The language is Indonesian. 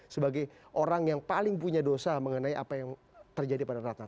sebagai orang yang paling punya dosa mengenai apa yang terjadi pada ratna